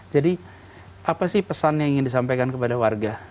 jadi apa sih pesan yang ingin disampaikan kepada warga